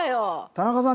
田中さん